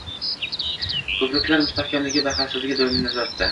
Ko‘priklar mustahkamligi va xavfsizligi doimiy nazoratda